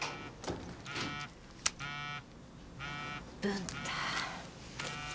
ぶんた。